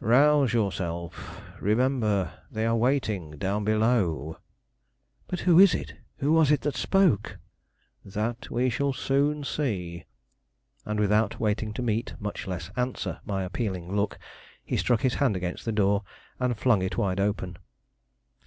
Rouse yourself; remember they are waiting down below." "But who is it? Who was it that spoke?" "That we shall soon see." And without waiting to meet, much less answer, my appealing look, he struck his hand against the door, and flung it wide open.